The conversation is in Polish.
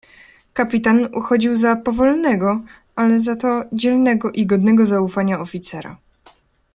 "Kapitan uchodził za powolnego ale za to dzielnego i godnego zaufania oficera."